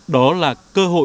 đó là cơ hội trả lời